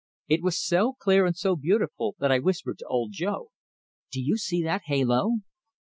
It was so clear and so beautiful that I whispered to Old Joe: "Do you see that halo?"